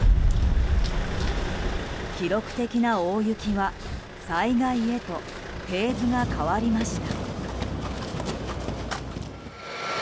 記録的な大雪は、災害へとフェーズが変わりました。